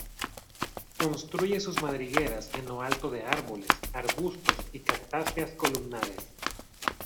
Construye sus madrigueras en lo alto de árboles, arbustos y cactáceas columnares.